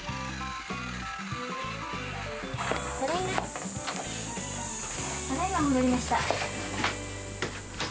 ただいまただいま戻りました